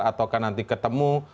atau nanti ketemu